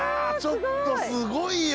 ちょっとすごいよ。